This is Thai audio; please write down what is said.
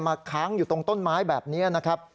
ค้างอยู่ตรงต้นไม้แบบนี้นะครับ